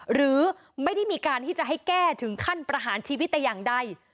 หรือไม่ได้มีการที่จะให้แก้ถึงขั้นประหารชีวิตแต่อย่างใด